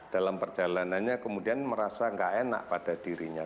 dalam perjalanannya kemudian merasa tidak enak pada dirinya